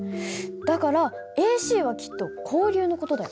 だからＡＣはきっと交流の事だよ。